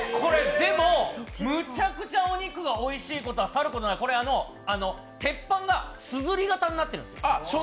むちゃくちゃお肉がおいしいことはさることながら鉄板がすずり型になってるんです。